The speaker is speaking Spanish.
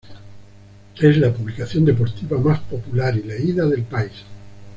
Es la publicación deportiva más popular y leída del país.